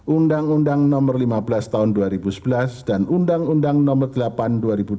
undang undang nomor lima belas tahun dua ribu sebelas dan undang undang nomor delapan dua ribu dua belas